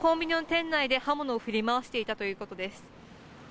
店内で刃物を振り回していたということです。